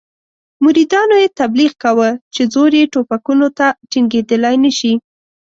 مریدانو یې تبلیغ کاوه چې زور یې ټوپکونو ته ټینګېدلای نه شي.